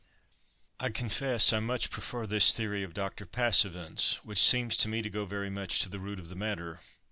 I confess, I much prefer this theory of Dr. Passavent's, which seems to me to go very much to the root of the matter.